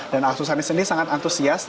dan arsosani sendiri sangat antusias